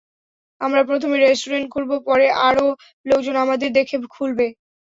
আমরা প্রথমে রেস্টুরেন্ট খুলবো, পরে আরো লোকজন আমাদের দেখে খুলবে।